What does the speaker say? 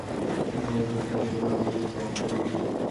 সে জজ লোকটাকে বলল আমরা নাকি অকটোরন।